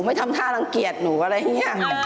ไม่ทำท่ารังเกียจหนูอะไรอย่างนี้